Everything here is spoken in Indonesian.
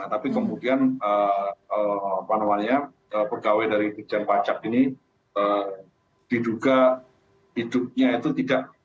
tapi kemudian pegawai dari dijen pajak ini diduga hidupnya itu tidak